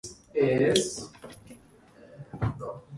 The inner third of the seating formed a trackside "cavea".